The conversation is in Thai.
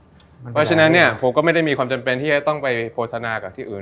เพราะฉะนั้นเนี่ยผมก็ไม่ได้มีความจำเป็นที่จะต้องไปโฆษณากับที่อื่น